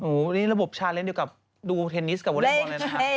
อู๋นี่ระบบชาเลนส์อยู่กับดูเทนนิสกับเวอร์เรย์บอลเลยนะครับ